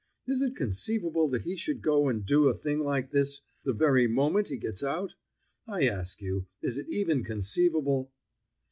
Is it conceivable that he should go and do a thing like this the very moment he gets out? I ask you, is it even conceivable?"